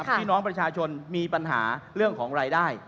พี่น้องประชาชนมีปัญหาเรื่องของรายได้